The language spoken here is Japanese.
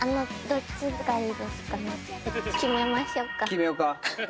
決めようか。